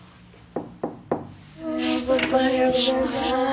おはようございます。